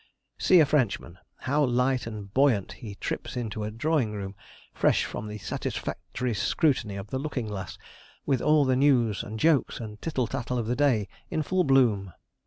See a Frenchman how light and buoyant he trips into a drawing room, fresh from the satisfactory scrutiny of the looking glass, with all the news, and jokes, and tittle tattle of the day, in full bloom!